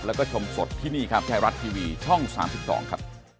แล้วก็ชมสดที่นี่ครับไทยรัฐทีวีช่อง๓๒ครับ